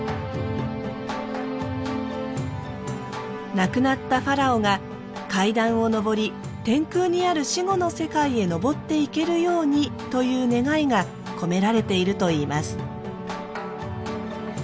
亡くなったファラオが階段を上り天空にある死後の世界へのぼっていけるようにという願いが込められているといいます。